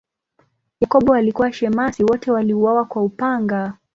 Yakobo alikuwa shemasi, wote waliuawa kwa upanga.